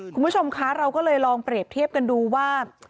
คุณผู้ชมคะเราก็เลยลองเปรียบเทียบกันดูว่า